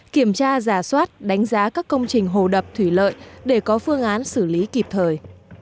kiểm tra giả soát đánh giá các công trình hồ đập thủy lợi để có phương án xử lý kịp thời